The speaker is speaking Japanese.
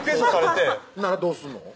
ほんならどうすんの？